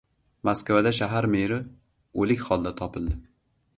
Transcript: Moskvada shahar meri o‘lik holda topildi